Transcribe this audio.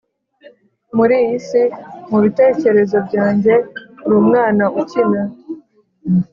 muri iyi si mubitekerezo byanjye uri umwana ukina